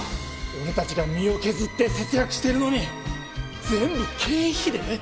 俺たちが身を削って節約してるのに全部経費で！